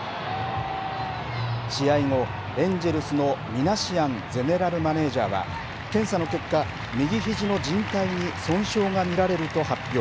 試合後、エンジェルスのミナシアンゼネラルマネージャーは検査の結果、右ひじのじん帯に損傷が見られると発表。